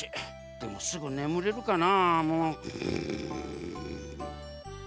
でもすぐねむれるかな。